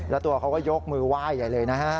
แล้วตัวเขาก็ยกมือไหว้อย่างนี้เลยนะฮะ